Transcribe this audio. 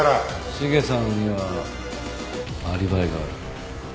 茂さんにはアリバイがある。